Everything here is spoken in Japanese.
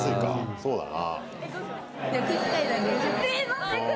そうだな。